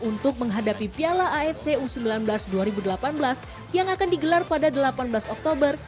untuk menghadapi piala afc u sembilan belas dua ribu delapan belas yang akan digelar pada delapan belas oktober